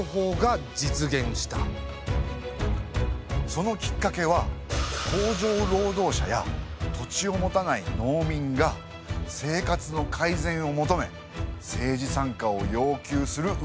そのきっかけは工場労働者や土地を持たない農民が生活の改善を求め政治参加を要求する運動を起こしたこと。